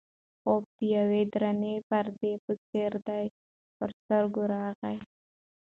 خوب د یوې درنې پردې په څېر د ده پر سترګو راغی.